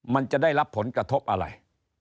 มันจะได้รับผลกระทบอะไร